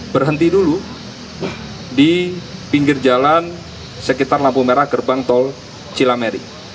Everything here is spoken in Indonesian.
berhenti dulu di pinggir jalan sekitar lampu merah gerbang tol cilameri